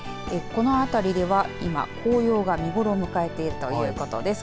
このあたりでは今紅葉が見頃を迎えているということです。